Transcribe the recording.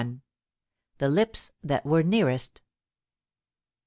THE LIPS THAT WERE NEAREST.